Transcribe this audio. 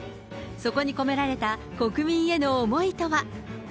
そこに込められた国民への思いとは。